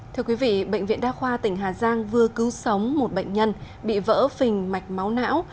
thưa quý vị bệnh viện đa khoa tỉnh hà giang vừa cứu sống một bệnh nhân bị vỡ phình mạch máu não